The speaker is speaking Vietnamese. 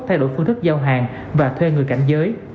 thay đổi phương thức giao hàng và thuê người cảnh giới